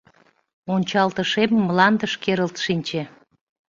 Ончалтышем мландыш керылт шинче.